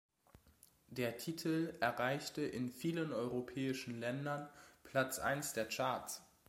Der Titel erreichte in vielen europäischen Ländern Platz eins der Charts.